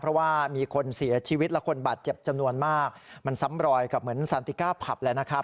เพราะว่ามีคนเสียชีวิตและคนบาดเจ็บจำนวนมากมันซ้ำรอยกับเหมือนซานติก้าผับแล้วนะครับ